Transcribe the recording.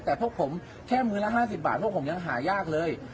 แต่พวกผมแค่มื้อละ๕๐บาทพวกผมยังหายากเลย